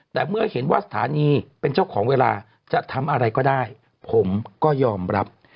แต่เมื่อเห็นว่าสถานีเป็นเจ้าของเวลาจะทำอะไรก็ได้ผมก็ยอมรับ